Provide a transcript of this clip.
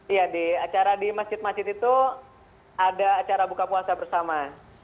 iya di acara di masjid masjid itu ada acara buka puasa bersama